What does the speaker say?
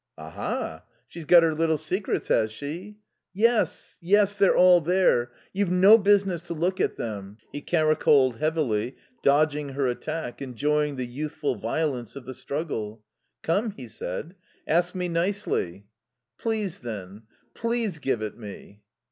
"Aha! She's got her little secrets, has she?" "Yes. Yes. They're all there. You've no business to look at them." He caracoled heavily, dodging her attack, enjoying the youthful violence of the struggle. "Come," he said, "ask me nicely." "Please, then. Please give it me."